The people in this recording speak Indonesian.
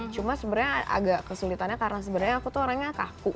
cuma sebenarnya agak kesulitannya karena sebenarnya aku tuh orangnya kaku